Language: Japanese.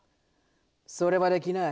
それはできない。